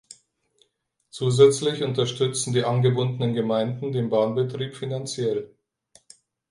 Zusätzlich unterstützen die angebundenen Gemeinden den Bahnbetrieb finanziell.